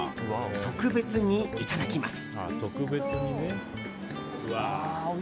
特別にいただきます。